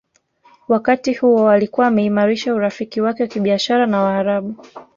Wakati huo alikuwa ameimarisha urafiki wake wa kibiashara na Waarabu